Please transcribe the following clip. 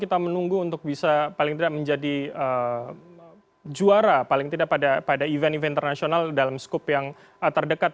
kita menunggu untuk bisa paling tidak menjadi juara paling tidak pada event event internasional dalam skup yang terdekat